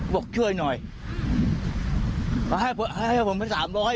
บอกช่วยหน่อยให้ให้ผมไป๓๐๐